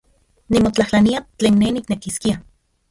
Nimotlajtlania tlen ne niknekiskia.